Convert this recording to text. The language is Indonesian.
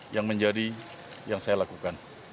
yang menjadi yang saya lakukan